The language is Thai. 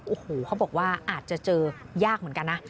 โอ้โหเขาบอกว่าอาจจะเจอยากเหมือนกันนะ